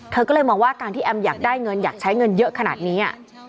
เธอก็เลยมองว่าการที่แอมอยากได้เงินอยากใช้เงินเยอะขนาดนี้